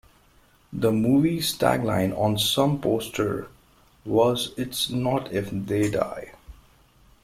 The movie's tagline on some posters was, "It's not "if" they die...